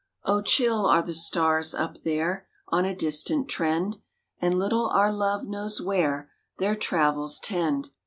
Oh, chill are the stars up there On a distant trend, And little our love knows where Their travels tend.